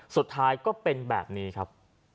สุดท้ายก็เป็นแบบนี้ครับ